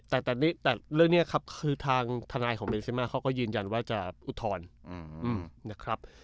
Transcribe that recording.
แต่เรื่องนี้ครับคือทางทนายของเมซิมาเขาก็ยืนยันว่าจะอุทธรณ์นะครับ